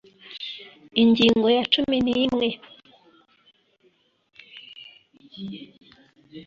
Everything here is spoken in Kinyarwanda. ingingo ya cumi n'imwe